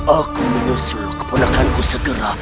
aku memberi konstansi menjadi negara